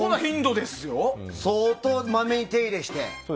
相当まめに手入れして。